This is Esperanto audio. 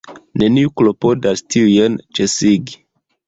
Neniu klopodas tiujn ĉesigi.